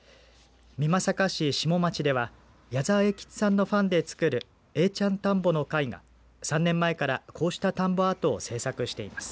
美作市下町では矢沢永吉さんのファンでつくる永ちゃん田んぼの会が３年前からこうした田んぼアートを制作しています。